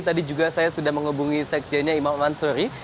tadi juga saya sudah menghubungi sekjennya imam mansuri